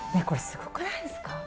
これすごくないですか？